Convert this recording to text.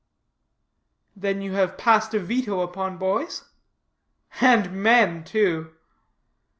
"Then you have passed a veto upon boys?" "And men, too."